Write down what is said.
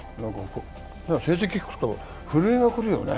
成績を聞くとフルエが来るよね。